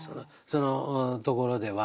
そのところでは。